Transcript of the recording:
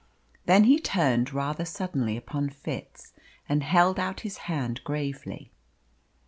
Then he turned rather suddenly upon Fitz and held out his hand gravely.